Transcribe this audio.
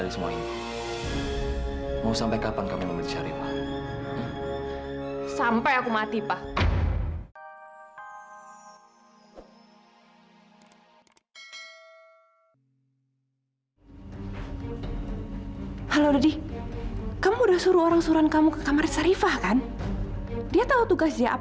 sampai jumpa di video selanjutnya